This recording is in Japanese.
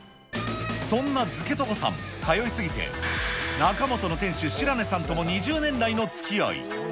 そんなづけとごさん、通いすぎて、中本の店主、白根さんとも２０年来のつきあい。